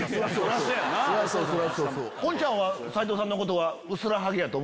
昆ちゃんは斎藤さんのことは。